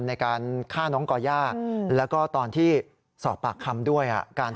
ในการฆ่าน้องก่อย่าแล้วก็ตอนที่สอบปากคำด้วย